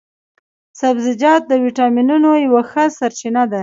سبزیجات د ویټامینو یوه ښه سرچينه ده